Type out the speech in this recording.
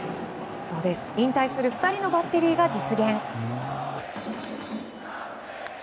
そうです、引退する２人のバッテリーが実現。